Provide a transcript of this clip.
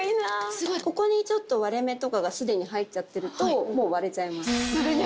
ここに割れ目とかが既に入っちゃってるともう割れちゃいます。